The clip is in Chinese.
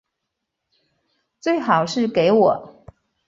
最好是给我